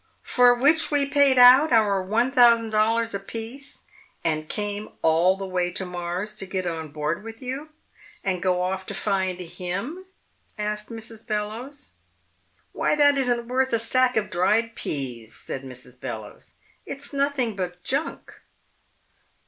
"For which we paid out our one thousand dollars apiece and came all the way to Mars to get on board with you and go off to find Him?" asked Mrs. Bellowes. "Why, that isn't worth a sack of dried peas," said Mrs. Bellowes. "It's nothing but junk!"